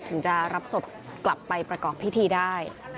ถึงจะรับศพกลับไปประกอบพิธีได้